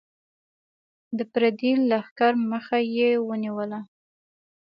د پردي لښکر مخه یې ونیوله.